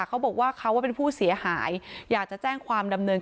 เขาบอกว่าเขาเป็นผู้เสียหายอยากจะแจ้งความดำเนิน